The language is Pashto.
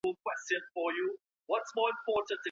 که مطلب درک نسي نو لیکل یې ګران وي.